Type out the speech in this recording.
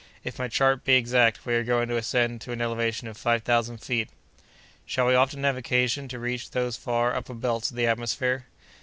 If my chart be exact, we are going to ascend to an elevation of five thousand feet." "Shall we often have occasion to reach those far upper belts of the atmosphere?"